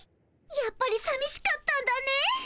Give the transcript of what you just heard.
やっぱりさみしかったんだね。